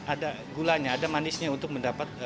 ada gulanya ada manisnya untuk mendapat